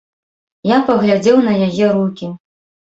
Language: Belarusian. Я паглядзеў на яе рукі.